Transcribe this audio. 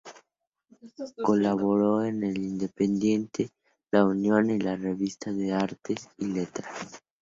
Colaboró en "El Independiente", "La Unión" y en la "Revista de Artes y Letras".